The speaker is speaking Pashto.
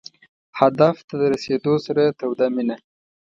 هدف ته د رسېدو سره توده مینه.